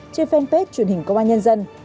trên fanpage truyền hình công an nhân dân